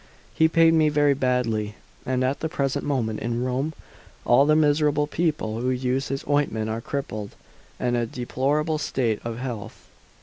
He paid me very badly; and at the present moment in Rome all the miserable people who used his ointment are crippled and in a deplorable state of health.